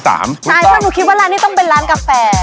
ถ้ากูคิดว่าร้านนี้ต้องเป็นร้านกาแฟ